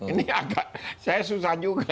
ini agak saya susah juga